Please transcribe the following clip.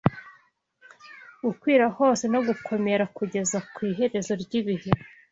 gukwira hose no gukomera kugeza ku iherezo ry’ibihe